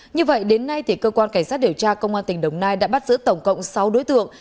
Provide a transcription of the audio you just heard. như vậy đến nay cơ quan cảnh sát điều tra công an tỉnh đồng nai đã bắt giữ tổng cộng sáu đối tượng